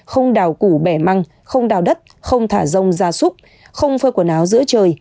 không đào củ bẻ măng không đào đất không thả rông gia súc không phơi quần áo giữa trời